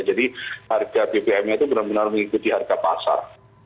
jadi harga bbm nya itu benar benar mengikuti harga pasar